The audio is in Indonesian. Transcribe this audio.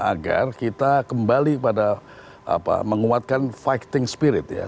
agar kita kembali pada menguatkan fighting spirit ya